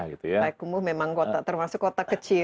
pak hekumbu memang kota termasuk kota kecil